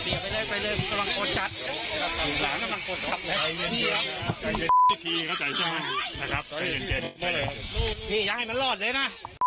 นี่อย่าให้มันรอดเลยนะ